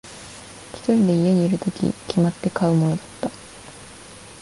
一人で家にいるとき、決まって買うものだった。